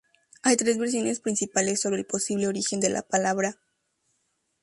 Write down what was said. Hay tres versiones principales sobre el posible origen de la palabra.